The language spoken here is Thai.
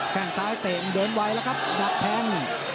แค่งซ้ายเตะมันเดินไวแล้วครับดับแทง